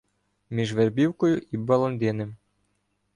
Між Вербівкою і Баландиним